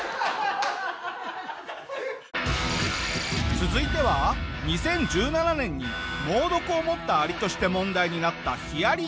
続いては２０１７年に猛毒を持ったアリとして問題になったヒアリ。